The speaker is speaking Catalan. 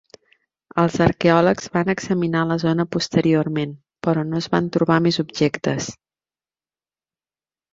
Els arqueòlegs van examinar la zona posteriorment, però no es van trobar més objectes.